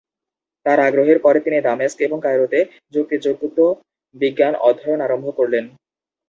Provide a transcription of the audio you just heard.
তার আগ্রহের পরে, তিনি দামেস্ক এবং কায়রোতে যুক্তিযুক্ত বিজ্ঞান অধ্যয়ন আরম্ভ করলেন।